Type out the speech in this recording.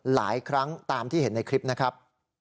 หลายครั้งตามที่เห็นในคลิปนะครับ